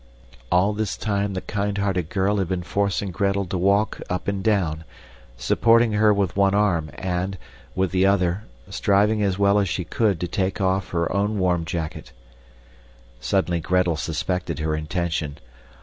All this time the kindhearted girl had been forcing Gretel to walk up and down, supporting her with one arm and, with the other, striving as well as she could to take off her own warm sacque. Suddenly Gretel suspected her intention.